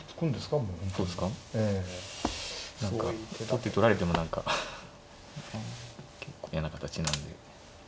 取って取られても何か結構嫌な形なんで。